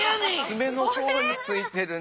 つめの方についてるね。